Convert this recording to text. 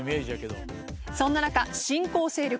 そんな中新興勢力